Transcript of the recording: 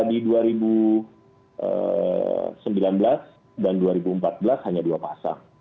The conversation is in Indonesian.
di dua ribu sembilan belas dan dua ribu empat belas hanya dua pasang